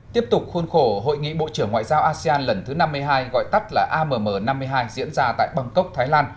tiếp tục khuôn khổ hội nghị bộ trưởng ngoại giao asean lần thứ năm mươi hai gọi tắt là amm năm mươi hai diễn ra tại bangkok thái lan